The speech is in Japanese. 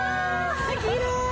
きれい。